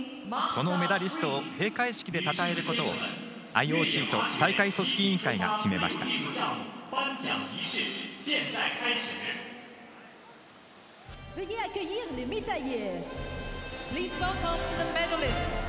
そのメダリストを閉会式でたたえることを ＩＯＣ と大会組織委員会が決めました。